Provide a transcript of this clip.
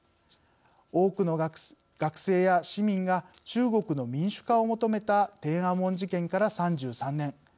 多くの学生や市民が中国の民主化を求めた天安門事件から３３年。